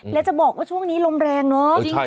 และจะบอกว่าช่วงนี้ลมแรงเนอะ